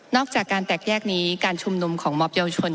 จากการแตกแยกนี้การชุมนุมของมอบเยาวชน